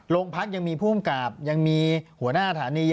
โรงพักยังมีภูมิกับยังมีหัวหน้าฐานี